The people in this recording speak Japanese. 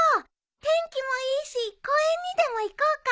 天気もいいし公園にでも行こうか。